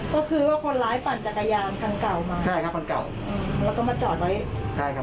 ก็คือว่าคนร้ายปั่นจักรยานคันเก่ามาใช่ครับคันเก่าอืมแล้วก็มาจอดไว้ใช่ครับ